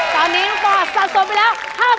ตอนนี้ก็สะสมไปแล้ว๕๐๐๐บาท